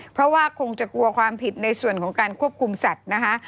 เพราะว่าคงจะกลัวความผิดในส่วนของการควบคุมสัตว์นะคะ